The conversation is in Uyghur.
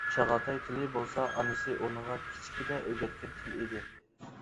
چاغاتاي تىلى بولسا ئانىسى ئۇنىڭغا كىچىكىدە ئۆگەنگەن تىل ئىدى.